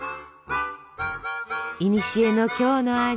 いにしえの京の味